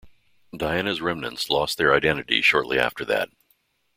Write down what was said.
Diana's remnants lost their identity shortly after that.